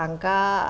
saya lagi tahu